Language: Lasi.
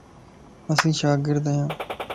اسين شاگرد ايان